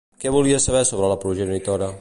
Què volia saber sobre la progenitora?